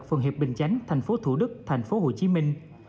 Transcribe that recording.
phường hiệp bình chánh thành phố thủ đức thành phố hồ chí minh